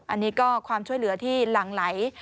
อันนี้ก็ความช่วยเหลือที่หลั่งไหล